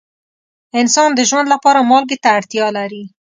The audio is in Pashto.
انسان د ژوند لپاره مالګې ته اړتیا لري.